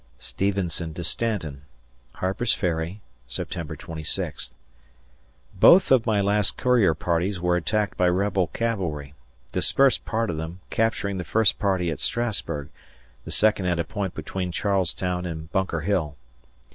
[Stevenson to Stanton] Harper's Ferry, Sept. 26th. Both of my last courier parties were attacked by Rebel cavalry; dispersed part of them, capturing the first party at Strassburg, the second at a point between Charles Town and Bunker Hill.